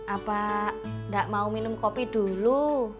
apa nggak mau minum kopi dulu